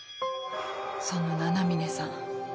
その七峰さん